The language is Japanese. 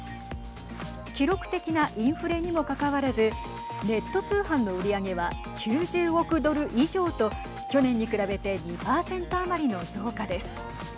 記録的なインフレにもかかわらずネット通販の売り上げは９０億ドル以上と去年に比べて２％余りの増加です。